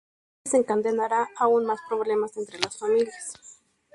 Esto desencadenará aún más problemas entre las familias.